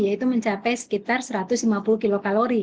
yaitu mencapai sekitar satu ratus lima puluh kilokalori